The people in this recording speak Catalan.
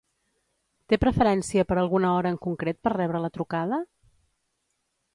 Té preferència per alguna hora en concret per rebre la trucada?